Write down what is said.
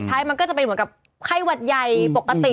มันก็จะเป็นเหมือนกับไข้หวัดใหญ่ปกติ